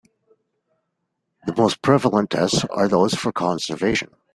The most prevalent tests are those for conservation.